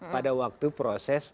pada waktu proses